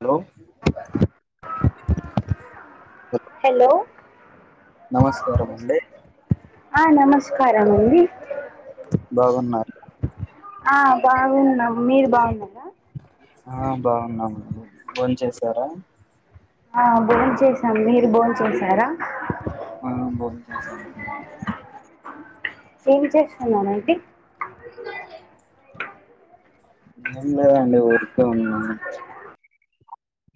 Hello hello నమస్కారం అండి ఆ నమస్కారమండి బాగున్నారు ఆ బాగున్నా మీరు బాగున్నరా ఆ బాగున్నాము బోన్ చేశారా ఆ భోన్ చేసాం మీరు భోన్ చేసారా ఆ బోన్ చేసాము ఇప్పుడే ఏం చేస్తున్నారండి ఏం లేదండి ఊరికే ఉన్నాము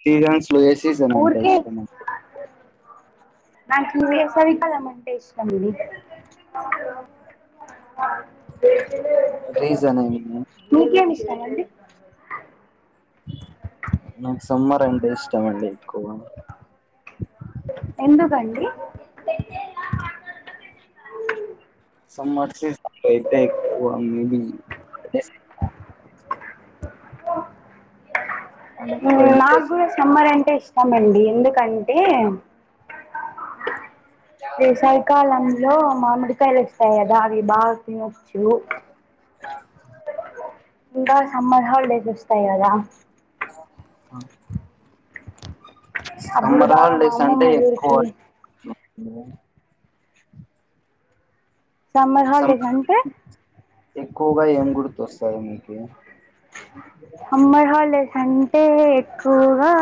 సీజన్స్లో ఏ సీజన్ అంటే ఊరికే ఇష్టమా అంటి నాకు వేసవి కాలమంటే ఇష్టమండి [unintelligible] రీజన్ ఏంటి తిన్నామండి నాకు సమ్మార్ అంటే ఇష్టం అండి ఎక్కువ ఎందుకండి సమ్మర్ సీజన్ అయితే ఎక్కువ హాలిడేస్ ఎక్కువ అండ్ ఉమ్ ఎక్కువ ఎంజాయ్ నాకు చే కూడా సమ్మర్ అంటే ఇష్ తమండి ఎందుకంటే వేసవికాలం లో మామిడికాయ వస్తాయి కదా అవి బా తినో ఇంకా సమ్మర్ హాలిడేస్ వస్తాయి కదా ఆ అప్పుడు సమ్మర్ బాగా మా హాలిడేస్ అంటే అమ్మమ్మోళ్ళ ఎక్కువ ఊరికి సమ్మర్ హలిడేస్ అంటే ఎక్కువగా ఎమ్ గుర్తోస్తయ్ మీకి హమ్మర్ హాలిడేస్ అంటే ఎక్కువగా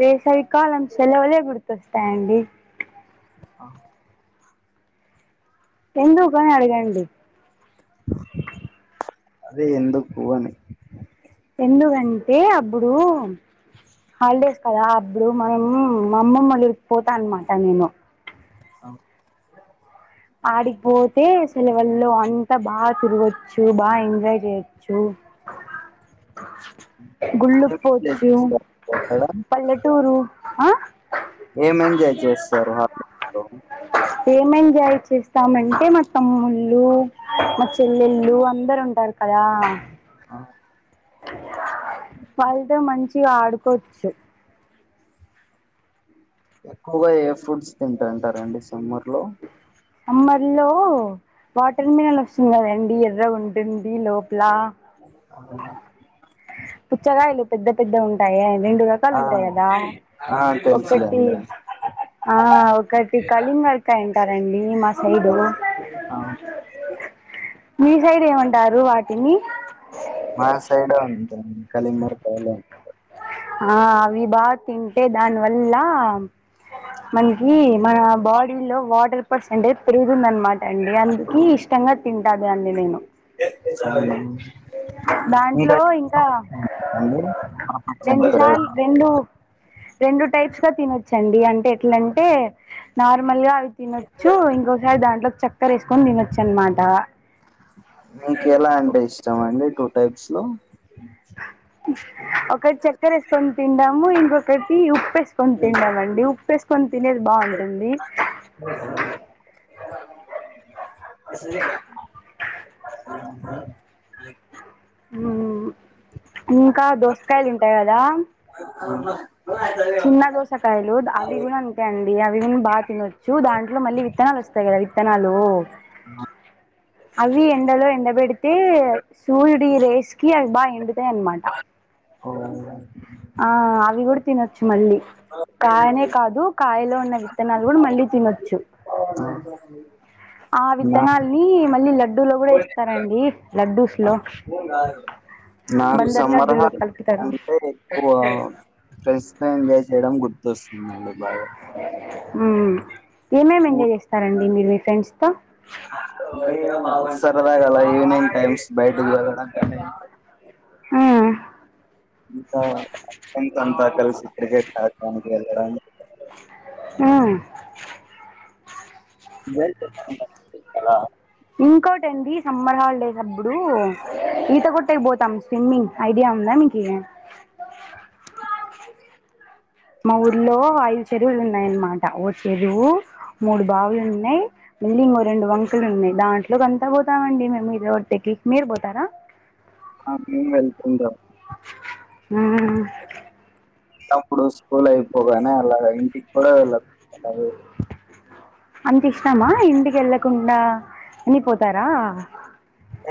వేసవి కాలం సెలవులే గుర్తొస్తాయ్ అండి ఆ ఎందుకా అని అడగండి అదే ఎందుకు అని ఎందుగంటే అబ్బుడు హాలిడేస్ కదా అబ్బుడు మనం అమ్మమ్మలురికి పోతా అన్నమాట నేను. సామ్ ఆడికిపోతే సెలవుల్లో అంతా బాగా తిరగచ్చు బాగా ఎంజాయ్ చేయొచ్చు. [inaudible] గుళ్ళు పోచ్చు ఎక్కడ పల్లెటూరు ఆ ఎమ్ ఎంజాయ్ చేస్తారు హ ఏమేన్ చెయ్యాచ్ చేస్తామంటే మా తమ్ముళ్ళు మా చెల్లెళ్ళు అందరు ఉంటారు కదా. ఆ వాళ్ళతో మంచిగా ఆడుకోచ్చు ఎక్కువగా ఏ ఫ్రూట్స్ తింటాంటారండి సమ్మర్ లో అమ్మర్లో వాటర్ మీలను వస్తుంది కదండి ఎర్ర ఉంటుంది లోప్ [unintelligible] పుచ్చగాయలు పెద్ద పెద్ద ఉంటాయే రెండు రకాలు ఆ ఉంటాయి కదా ఆ ఒకటి తెలుసులేండి ఆ ఒకటి కళింగర్ కాయ్ అంటారండి మా సైడు ఆ [inaudible] మీ సైడ్ ఏమంటారు వాటిని మా సైడ్ అంతే కళింగర కాయిలే అంటర్ ఆ అవి బా తింటే దానివల్ల మనికి మన బాడీలో వాటర్ పెర్చెంటేజ్ పెరుగింది అనమాట అండి అందుకి ఇష్టంగా తింటానండి నేను. ఇనో దాంట్లో ఇంకా [unintelligible] రెండు సార్ల్ రెండు రెండు టైప్స్గా తినొచ్చండి అంటే ఎట్లాంటే నార్మల్ గా అవి తినొచ్చు ఇంకోసారి దాంట్లో చక్కర వేసుకొని తినొచ్చు అనమాట. మీకు ఎలా అంటే ఇష్టం అండి టూ టైప్స్ లో ఒకటి చక్కర వేసుకొని తిండాము ఇంకొకటి ఉప్పేస్ వేసుకొని తిన్నామండి ఉప్పు వేసుకొని తినేది బాగుంటుంది. [unintelligible] [inaudible] [unintelligible] ఉ ఇంకా దోసకాయలు ఉంటాయి కదా చిన్న దోసకాయలు అవి గుణ అంతే అండి అవి గుణ బాగా తినొచ్చు దాంట్లో మళ్ళీ విత్తనాలు వస్తాయ్ కాద్ విత్తనాలు ఆ అవి ఎండలో ఎండ పెడితే సూర్యుడి రేస్ కి అవి బా ఎండ్ తే అనమాట ఓ ఆ అవి కూడా తినొచ్చు మళ్ళీ కాయనే కాదు కాయలో ఉన్న విత్తనాలు కూడా మళ్ళీ తినొచ్చు అ ఆ విత్తనాల్ని మళ్ళీ లడ్డూ లో కూడా ఇస్తారండి లడ్డూస్ లో నాకు బందర్ సమ్మర్ లడ్డూలో హాల్ కలుపుతారు అంటే ఎక్కువ ఫ్రెండ్స్ తో ఎంజాయ్ చేయడం గుర్తొస్తుంది మ్మ్ ఏమేమి ఎంజాయ్ చేస్తారండి మీరు మీ ఫ్రెండ్స్ తో [unintelligible] సరదగ అలా ఈవనింగ్ టైమ్స్ బయటకి వెళ్లడం కానీ మ్మ్ ఇంకా ఫ్రెండ్స్ అంతా కలిసి క్రికెట్ ఆడతాము ప్లేగ్రౌండ్ లో మ్మ్ వెళ్తే బాగుంటది [unintelligible] ఇంకోటండి సమ్మర్ హాలిడేస్ అప్పుడు ఈత కొట్టేకి పోతాం స్విమ్మింగ్ ఐడియా ఉందా మీక్ కి మా ఊర్లో ఐదు చెరువులు ఉన్నాయన్నమాట ఓ చెరువు మూడు బావులు ఉన్నాయి మెళ్ళి ఇంకో రెండు వంకలు ఉన్నాయి దాంట్లోకి అంతా పోతామండి మేము మీరు ఎవరి తక్కి మీరు పోతారా ఆ మేం వెళ్తుండే వ మ్మ్ అప్పుడు స్కూల్ అయిపోగానే అలాగ ఇంటికి కూడా వెళ్ళము అలాగే అంత ఇష్టామా ఇంటికి వెళ్ళకుండా అని పోతారా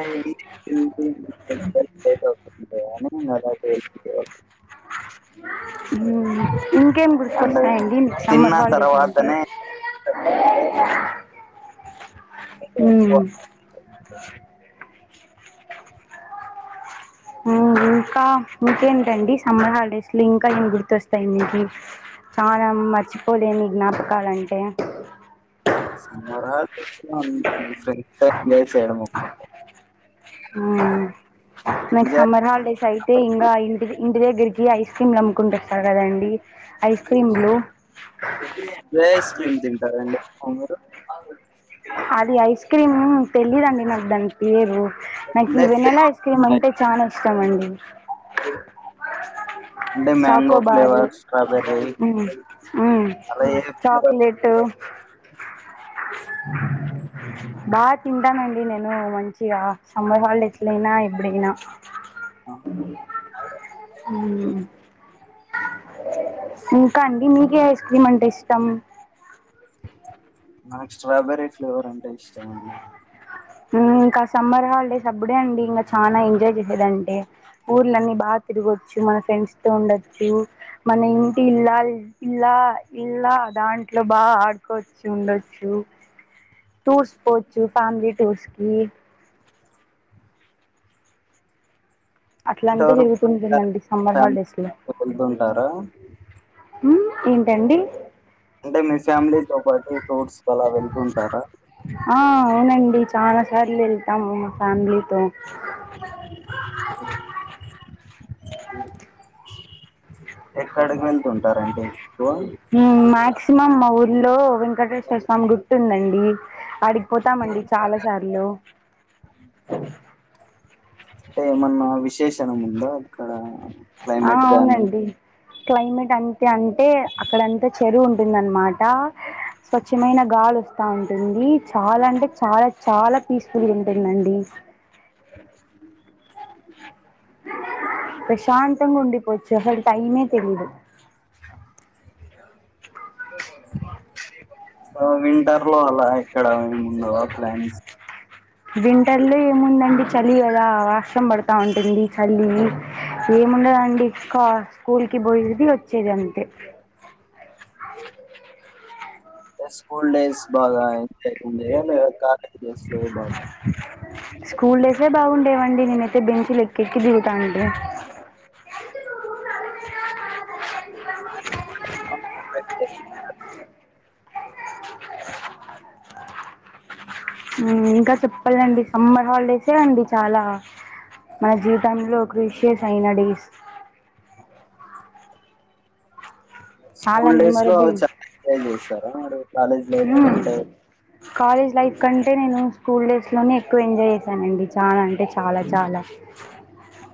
ఏయ్ ఇంటికి పొయ్యి [unintelligible] లేట్ అయితుంది అలానే ఇంగ అలాగే ఇంటికి [unintelligible] మ్మ్ ఇంకేం గుర్తుకు అండ్ వస్తాయండి మీకు తిన్న సమ్మర్ హాలిడేస్ అంటే తర్వాతనే అంటే మ్మ్ మ్మ్ ఇంకా ఇంకేంటండి సమ్మర్ హాలిడేస్ లో ఇంకా ఏమి గుర్తుొస్తాయి మీకి చాలా మర్చిపోలేని జ్ఞాపకాలు అంటే సమ్మర్ హాలిడేస్ లో అంత గుర్తొచ్చే ప్లేస్ ఏడ పోము మ్మ్ నిక్ ఎంజాయ్ సమ్మర్ హాలిడేస్ అయితే ఇంగా ఇంటిది ఇంటి దగ్గరికి కీ ఐస్ క్రీమ్లు అమ్ముకుంటు వస్తారు కదండి ఐస్ క్రీమ్లు ఏ ఐస్ క్రీమ్ తింటారండి ఎక్కువ మీరు అది ఐస్ క్రీమ్ తెలీదండి నాకు దాని పేరు నాకు అంటే ఈ వెనెలా ఐస్ ఫ్లేవర్స్ క్రీమ్ ఉంటాయి అంటే చాలా ఇష్టం అండి అంటే మ్యాంగో చాకోబారు ఫ్లేవర్, స్ట్రాబెర్రీ మ్మ్ మ్మ్ అలా ఏ ఫ్లేవర్ చాక్లేెట్ బాగా తింటానండి నేను మంచిగా సమ్మర్ హాలిడేస్ లో అయినా ఎప్పుడైన హ్మ్ ఇంకా అండి మీకు ఏ ఐస్ క్రీమ్ అంటే ఇష్టం నాకు స్ట్రాబెర్రీ ఫ్లేవర్ అంటే ఇష్టం అండి ఇంకా సమ్మర్ హాలిడేస్ అప్పుడే అండి ఇంగ చానా ఎంజాయ్ చేసేదంటే ఊర్లన్నీ బాగా తిరగొచ్చు మన ఫ్రెండ్స్ తో ఉండచ్చు మన ఇంటి ఇల్లా ఇల్లా ఇల్లా దాంట్లో బాగా ఆడుకోవచ్చు ఉండొచ్చు టూర్స్ పోచ్చు ఫ్యామిలీ టూర్స్ కి అట్లా అంత ఇంతవరకు జరుగుతుంటుందండి సమ్మర్ హాలిడేస్ లో ఫ్యామిలీతో వెళ్తుంటారా? హ్మ్ ఏంటండి అంటే మీ ఫ్యామిలీతోపాటి ఆ అవునండి చాలా సార్లు వెళ్తాము మా ఫ్యామిలీతో ఎక్కడికి వెళ్తుంటారండి మ్మ్ మక్సిమమ్ మా ఊరు లో వెంకటేశ్వర స్వామి గుర్తుదండండి అడిగిపోతామండి చాలా సార్లు అంటేఏమన్నా విశేశాణం ఉందా అక్కడ ఆ క్లైమేట్ గానీ అవునండి క్లైమేట్ అంతే అంటే అక్కడంతా చెరువు ఉంటుందనమాట స్వచ్ఛమైన గాలి వస్తా ఉంటుంది చాలా అంటే చాలా చాలా పీస్ఫుల్ గా ఉంటుందండి ఏ ప్రశాంతంగా ఉండిపోచ్చు అసలు టైమే తెలీదు వింటర్ లో అలా ఎక్కడ ఏము ఉండవా ప్లాన్స్ వింటర్ లో ఏముందండి చలి కదా వర్షం పడతా ఉంటుంది చలి ఏ ముండదండి ఇంకా స్కూల్ కి పోయాది వచ్చేది అంతే స్కూల్ డేస్ బాగా లేకుంటే మీరు కాలేజీ డేస్ లో బాగ స్కూల్ డేసే బాగుండేవండి నేనుఅయితే బెంచ లెక్క ఎక్కి దిగుతాంటీ [inaudible] హు ఇంకా చెప్పలాంటే సమ్మర్ హాలిడేసే అండి చాలా మన జీవితంలో క్రూసియస్ అయిన డేస్ చాలా స్కూల్ డేస్ లో మెమొరబుల్ చాలా ఎంజాయ్ చేస్తారా మీరు కాలేజ్ లైఫ్ కంటే కాలేజ్ లైఫ్ కంటే నేను స్కూల్ డేస్లోనే ఎక్కువ ఎంజాయ్ చేశానండి చాలా అంటే చాలా చాలా ఆ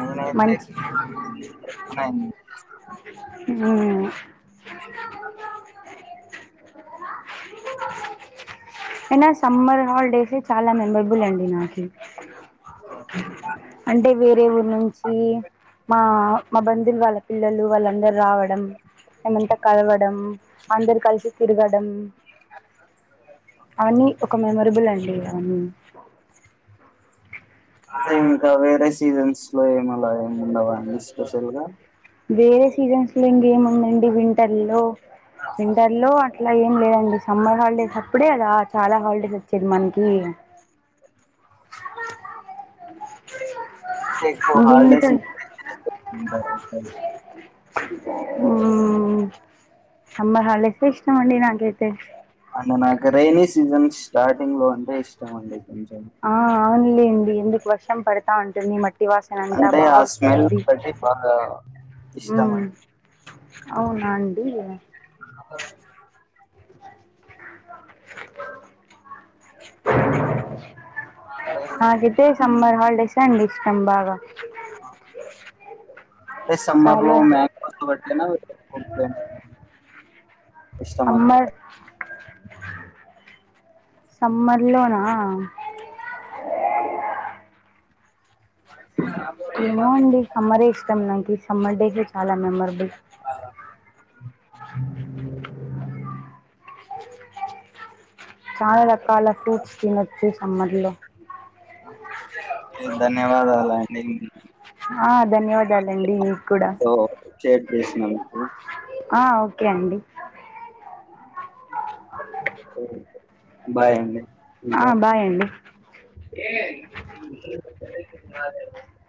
నేనైతే మంచి చానా హు అయినా సమ్మర్ హాలిడేస్ చాలా మెమరబుల్ అండి నాకి అంటే వేరే ఊరు నుంచి మా మా బందు వాళ్ళ పిల్లలు వాళ్ళందరు రావడం మేముంతా కలవడం అందరు కలిసి తిరగడం అవన్నీ ఒక మెమరబుల్ అండి మ్మ్ అదే ఇంకా వేరే సీజన్స్ లో ఏమలా ఏమి ఉండవా అండి స్పెషల్ గా వేరే సీజన్స్ లో ఇంకేముందండి వింటర్ లో వింటర్ లో ఇలా ఏం లేదండి సమ్మర్ హాలిడేస్ అప్పుడే అద చాలా హాలిడేస్ వచ్చేది మనకి హాలిడేస్ వింటర్ [unintelligible] ఉ సమ్మర్ హాలిడేస్ ఏ ఇష్ట మండి నాకైతే అంటే నాకు రైనీ సీజన్ స్టార్టింగ్ లో అంటే ఇష్టం అండి కొంచెం ఆ అవునులేండి ఎందుకు వర్షం పడతా ఉంటుంది మట్ మట్టి వాసన అంతా అంటే ఆ స్మెల్ బావస్తుంది బట్టి బాగా ఇష్టం అండి అవునా అండి అ [unintelligible] నక్ అయితే సమ్మర్ హాలిడేస్ అండి ఇష్టం బాగ అంటే సమ్మర్ లో చాలా మ [unintelligible] కొ ఎనా సమ్మర్ సమ్మర్ లోనా ఏమో అండి సమ్మర్ ఇష్టాం నాకి సమ్మర్ డేస్ చాలా మెమొరబుల్ [unintelligible] చాలా రకాల ఫ్రూట్స్ తినొచ్చు సమ్మర్ లో ధన్యవాదాలండి ధన్యవాదాలు అండి ఆ ధన్యవాదాలండి మీకు కూడా మాతో షేర్ చేసిన అందుకు ఆ ఓకే అండి బాయ్ అండి ఆ ఇంకా బాయ్ అండి [unintelligible]